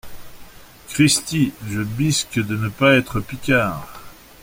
Cristi ! je bisque de ne pas être Picard !